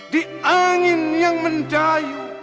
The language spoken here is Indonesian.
di angin yang mendayu